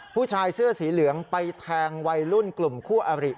ผู้ชายเสื้อสีเหลืองไปแทงวัยรุ่นกลุ่มคู่อาริ